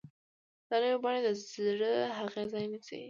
دا نوې بڼه د زړې هغې ځای نیسي.